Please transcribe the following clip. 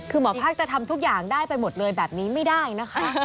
คือหมอภาคจะทำทุกอย่างได้ไปหมดเลยแบบนี้ไม่ได้นะคะ